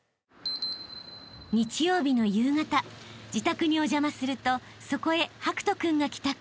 ［日曜日の夕方自宅にお邪魔するとそこへ博仁君が帰宅］